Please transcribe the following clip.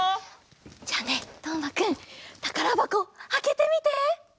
じゃあねとうまくんたからばこあけてみて！